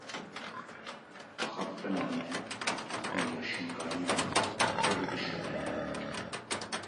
Axaftina me û ya şingaliyan pir dişibe hev.